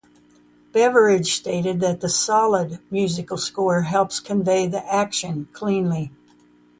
Beveridge stated that the "solid" musical score helps convey the "action cleanly".